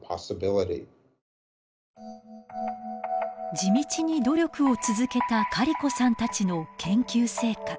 地道に努力を続けたカリコさんたちの研究成果。